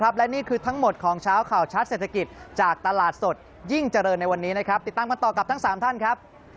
อะไรอย่างนั้นเรามาอธิบายเพิ่มกันอีกทีหน่อยครับ